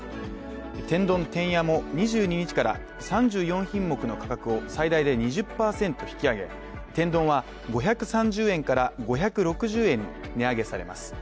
天丼てんやも２２日から３４品目の価格を最大で２０％引き上げ天丼は５３０円から５６０円に値上げされます。